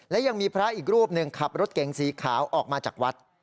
และยังมีพระอีกรูปหนึ่งขับรถเก๋งสีขาวออกมาจากวัด